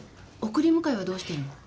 送り迎えはどうしてるの？